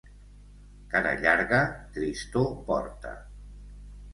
Cara llarga, tristor porta.